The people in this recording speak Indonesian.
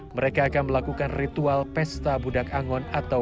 bertemu saudara semua semua